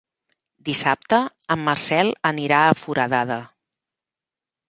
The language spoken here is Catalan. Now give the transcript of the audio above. Dissabte en Marcel anirà a Foradada.